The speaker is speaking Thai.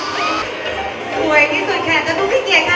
สวัสดีค่ะ